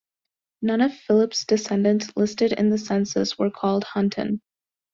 None of Philip's descendants listed in the census were called Hunton.